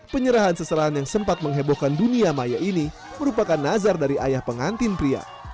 penyerahan seserahan yang sempat menghebohkan dunia maya ini merupakan nazar dari ayah pengantin pria